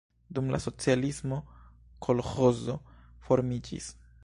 Dum la socialismo kolĥozo formiĝis.